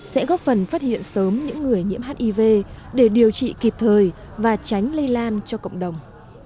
sẽ góp phần phát hiện sớm những người nhiễm hiv để điều trị kịp thời và tránh lây lan cho cộng đồng